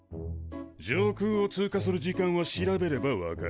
上空を通過する時間は調べれば分かる。